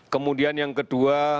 kemudian yang kedua